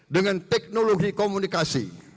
dengan teknologi komunikasi